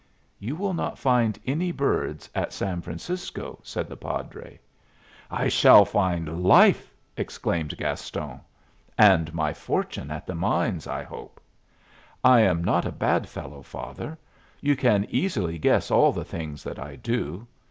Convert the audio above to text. "You will not find any birds at San Francisco," said the padre. "I shall find life!" exclaimed Gaston. "And my fortune at the mines, I hope. I am not a bad fellow, father. You can easily guess all the things that I do.